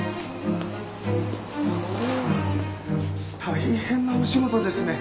大変なお仕事ですね。